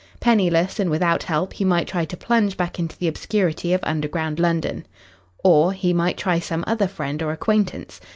Penniless and without help, he might try to plunge back into the obscurity of underground London, or he might try some other friend or acquaintance.